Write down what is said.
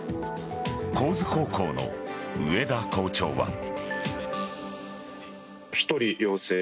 高津高校の上田校長は。